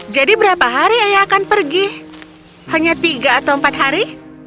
jadi berapa hari ayah akan pergi hanya tiga atau empat hari